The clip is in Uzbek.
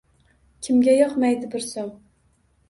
Kimga yoqmaydi bir so‘m.